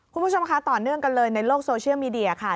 คุณผู้ชมคะต่อเนื่องกันเลยในโลกโซเชียลมีเดียค่ะ